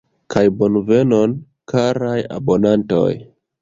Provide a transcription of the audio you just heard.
Kaj bonvenon, karaj abonantoj!!!